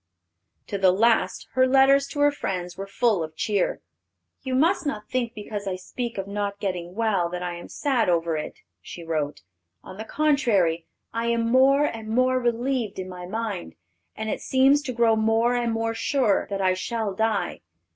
To the last her letters to her friends were full of cheer. "You must not think because I speak of not getting well that I am sad over it," she wrote. "On the contrary, I am more and more relieved in my mind, as it seems to grow more and more sure that I shall die.